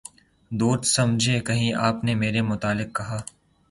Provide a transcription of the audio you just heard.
دوست سمجھے کہیں آپ نے میرے متعلق کہا